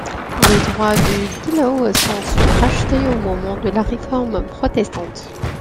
Les droits de Gielow sont ensuite rachetés au moment de la Réforme protestante.